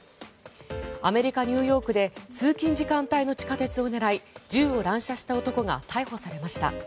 アメリカ・ニューヨークで通勤時間帯の地下鉄を狙い銃を乱射した男が逮捕されました。